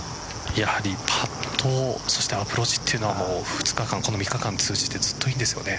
やはりパットそしてアプローチというのは２日間、３日間通じてずっといいんですよね。